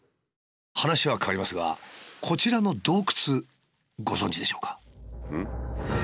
話は変わりますがこちらの洞窟ご存じでしょうか？